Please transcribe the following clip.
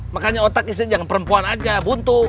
makanya otak istri jangan perempuan aja buntu